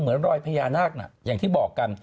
เหมือนรอยพญานาคนะอย่างที่บอกกัน